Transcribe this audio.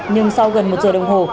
nhưng sau gần một giờ đồng hồ